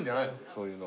そういうの。